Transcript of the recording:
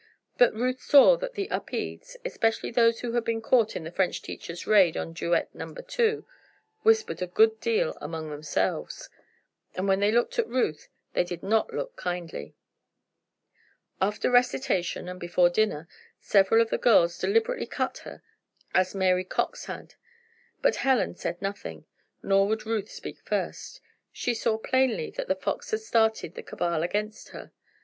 But Ruth saw that the Upedes especially those who had been caught in the French teacher's raid on Duet Number 2 whispered a good deal among themselves, and when they looked at Ruth they did not look kindly. After recitation, and before dinner, several of the girls deliberately cut her as Mary Cox had. But Helen said nothing, nor would Ruth speak first. She saw plainly that The Fox had started the cabal against her.